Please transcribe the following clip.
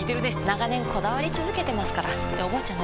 長年こだわり続けてますからっておばあちゃん